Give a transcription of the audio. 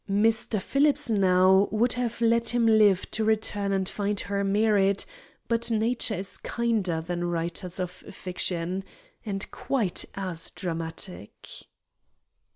Mr. Phillips, now, would have let him live to return and find her married; but Nature is kinder than writers of fiction, and quite as dramatic."